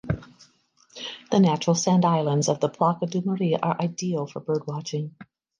The natural sand islands of the Place du marais are ideal for bird watching.